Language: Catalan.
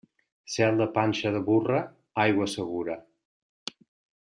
Cel de panxa de burra? Aigua segura.